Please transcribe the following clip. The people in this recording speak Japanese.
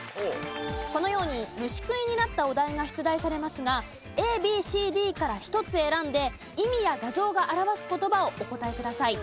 このように虫食いになったお題が出題されますがＡＢＣＤから１つ選んで意味や画像が表す言葉をお答えください。